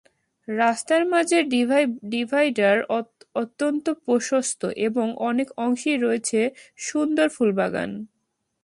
রাস্তার মাঝের ডিভাইডার অত্যন্ত প্রশস্ত এবং অনেক অংশেই রয়েছে সুন্দর ফুলবাগান।